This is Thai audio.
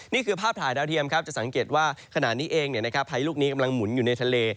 นี่คือภาพถ่ายดาวเทียมครับจะสังเกตว่าขณะนี้เองพายุลูกนี้กำลังหมุนอยู่ในทะเล